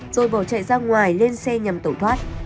rồi bỏ chạy ra ngoài lên xe nhằm tẩu thoát